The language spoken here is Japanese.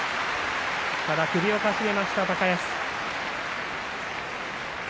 ただ首をかしげました高安です。